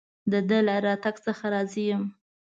د ده له راتګ څخه راضي یم.